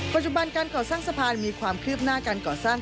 ปัจจุบันการก่อสร้างสะพานมีความคืบหน้าการก่อสร้าง